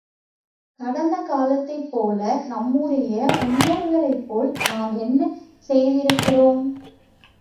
கடந்த காலத்தைப் போல, நம்முடைய முன்னோர்களைப்போல நாம் என்ன செய்திருக்கின்றோம்?